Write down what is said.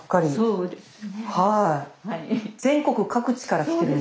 そうです。